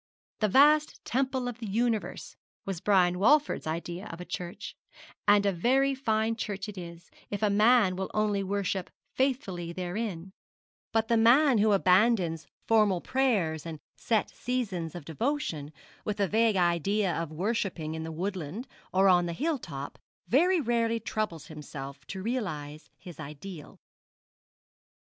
The vast temple of the universe was Brian Walford's idea of a church; and a very fine church it is, if a man will only worship faithfully therein; but the man who abandons formal prayers and set seasons of devotion with a vague idea of worshipping in the woodland or on the hill top, very rarely troubles himself to realise his ideal.